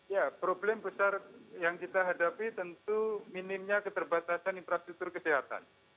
ya problem besar yang kita hadapi tentu minimnya keterbatasan infrastruktur kesehatan